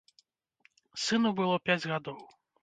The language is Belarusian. Сыну было пяць гадоў.